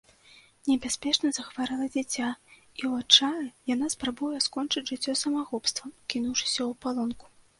Небяспечна захварэла дзіця, і ў адчаі яна спрабуе скончыць жыццё самагубствам, кінуўшыся ў палонку.